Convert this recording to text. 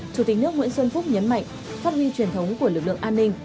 chủ tịch nước nguyễn xuân phúc nhấn mạnh phát huy truyền thống của lực lượng an ninh